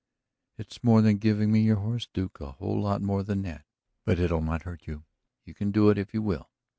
"It's more than giving me your horse, Duke; a whole lot more than that, but it'll not hurt you you can do it, if you will."